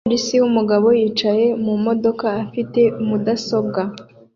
Umupolisi wumugabo yicaye mumodoka ifite mudasobwa